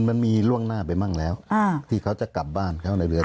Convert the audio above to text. มันมีล่วงหน้าไปมั่งแล้วที่เขาจะกลับบ้านเขาในเรือน